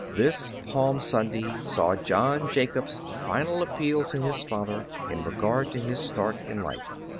This Palm Sunday saw John Jacob's final appeal to his father, in regard to his start in life.